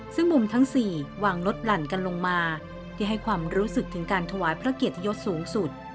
ซึ่งมุมทั้ง๔วางลดหลั่นกันลงมาที่ให้ความรู้สึกถึงการถวายพระเกียรติยศสูงสุด